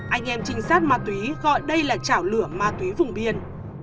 anh em trinh sát ma túy gọi đây là chảo lửa ma túy vùng biên